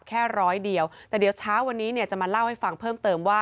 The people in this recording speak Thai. แค่ร้อยเดียวแต่เดี๋ยวเช้าวันนี้เนี่ยจะมาเล่าให้ฟังเพิ่มเติมว่า